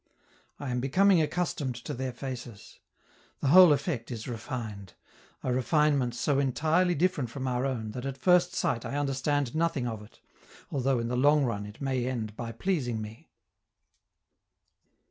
I am becoming accustomed to their faces. The whole effect is refined a refinement so entirely different from our own that at first sight I understand nothing of it, although in the long run it may end by pleasing me.